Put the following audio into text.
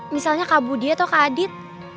misalnya kak budi atau kak adit